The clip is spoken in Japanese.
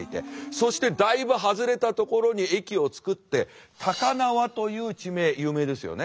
そしてだいぶ外れた所に駅を造って高輪という地名有名ですよね。